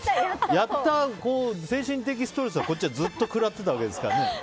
やった精神的ストレスをこっちはずっと食らってたわけですからね。